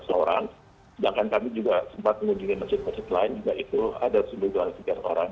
sedangkan kami juga sempat mengunjungi masjid masjid lain juga itu ada seratus dua ratus orang